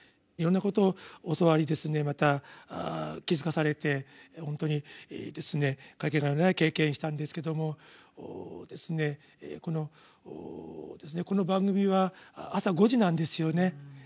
いろんなことを教わりですねまた気付かされて本当にですね掛けがえのない経験したんですけどもこの番組は朝５時なんですよね。